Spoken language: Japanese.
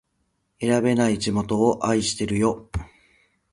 選べない地元を愛してるよ